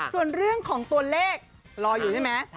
ส่วนเรื่องของตัวเลขรออยู่ใช่ไหม